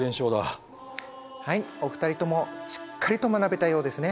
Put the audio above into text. はいお二人ともしっかりと学べたようですね。